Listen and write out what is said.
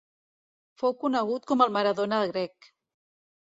Fou conegut com el Maradona grec.